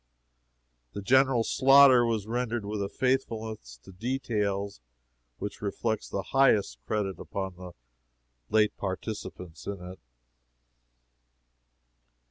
The General Slaughter was rendered with a faithfulness to details which reflects the highest credit upon the late participants in it.